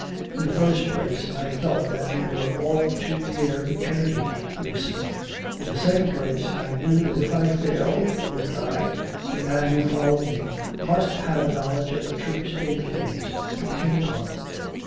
In the first place, I felt that we were all too near eternity for deceit; in the second place, I knew that if I failed, or died, the man who followed me must have a knowledge of the true state of things to begin upon.